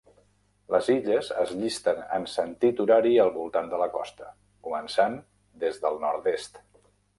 Les illes es llisten en sentit horari al voltant de la costa, començant des del nord-est.